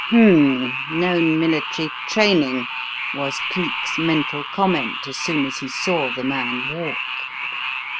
"Humph! Known military training," was Cleek's mental comment as soon as he saw the man walk.